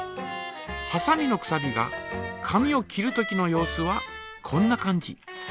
はさみのくさびが紙を切るときの様子はこんな感じ。